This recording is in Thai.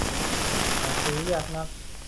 หาซื้อยากนัก